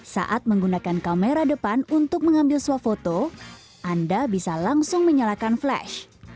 saat menggunakan kamera depan untuk mengambil swafoto anda bisa langsung menyalakan flash